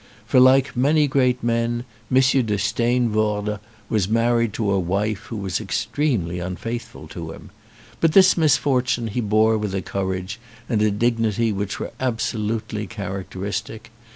For, like many great men, M. de Steenvoorde was married to a wife who was extremely unfaithful to him. But this misfortune he bore with a courage and a dignity which were absolutely characteristic.